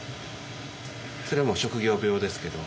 それもう職業病ですけど。